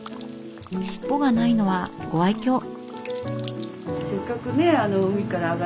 尻尾がないのはご愛きょう。